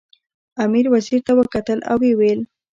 امیر وزیر ته وکتل او ویې ویل.